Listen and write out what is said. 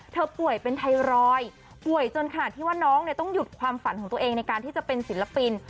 ป่วยเป็นไทรอยด์ป่วยจนขนาดที่ว่าน้องต้องหยุดความฝันของตัวเองในการที่จะเป็นศิลปิน